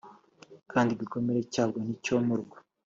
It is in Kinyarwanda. kandi igikomere cyabwo nticyomorwa.